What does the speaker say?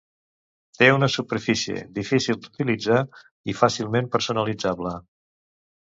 Té una interfície difícil d'utilitzar i fàcilment personalitzable.